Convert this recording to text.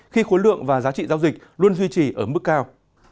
khi khối lượng và giá trị giao dịch luôn duy trì ở mức cao